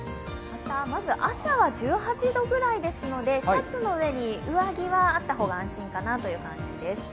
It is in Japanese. まず、朝は１８度くらいですのでシャツの上に上着はあった方が安心かなという感じです。